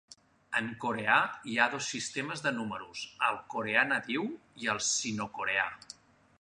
En coreà hi ha dos sistemes de números: el coreà nadiu i el sinocoreà.